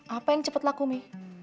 apa yang cepet laku mi